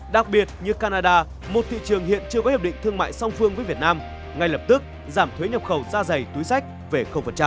đặc biệt như canada một thị trường hiện chưa có hiệp định thương mại song phương với việt nam ngay lập tức giảm thuế nhập khẩu da dày túi sách về